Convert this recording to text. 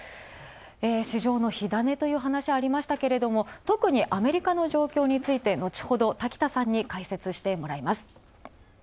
市場の火種という話ありましたけれども特にアメリカの状況について、のちほど、滝田さんに解説してもらいます。